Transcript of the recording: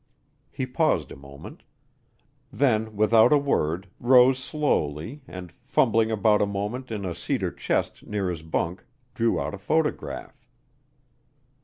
He paused a moment. Then, without a word, rose slowly and, fumbling about a moment in a cedar chest near his bunk, drew out a photograph.